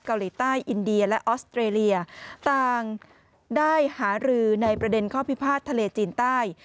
เกาหลีใต้อินเดียและออสเตรเลียต่างได้หารือในประเด็นข้อพิพาททะเลจีนใต้